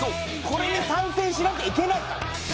これに参戦しなきゃいけないかな？